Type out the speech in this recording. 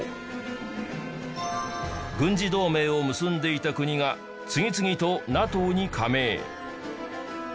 軍事同盟を結んでいた国が次々と ＮＡＴＯ に加盟